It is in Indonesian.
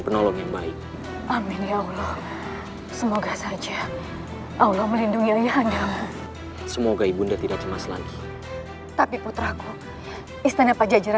sampai jumpa di video selanjutnya